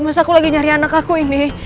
mas aku lagi nyari anak aku ini